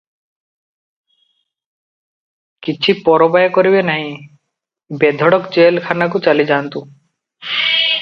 କିଛି ପରବାଏ କରିବେ ନାହିଁ, ବେଧଡ଼କ ଜେଲ୍ ଖାନାକୁ ଚାଲିଯାଆନ୍ତୁ ।